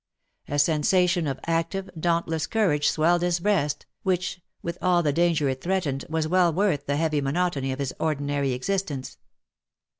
A sensation of active, dauntless cou rage swelled his breast, which, with all the danger it threatened, was well worth the heavy monotony of his ordinary existence.